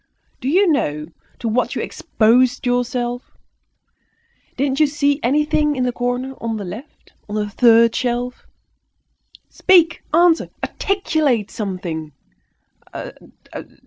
Do you know to what you exposed yourself? Didn't you see anything in the corner, on the left, on the third shelf? Speak, answer, articulate something."